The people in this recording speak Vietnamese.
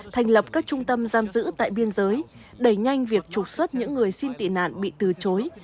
thành lập các trung tâm giam giữ tại biên giới đẩy nhanh việc trục xuất những người xin tị nạn bị từ chối